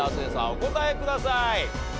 お答えください。